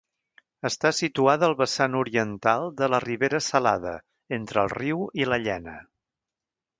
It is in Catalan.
Està situada al vessant oriental de la Ribera Salada entre el riu i La Llena.